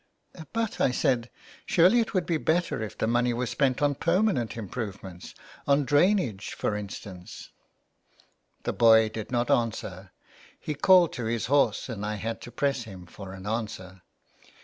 ''" But," I said, " surely it would be better if the money were spent upon permanent improvements, on drainage, for instance." The boy did not answer ; he called to his horse and I had to press him for an answer.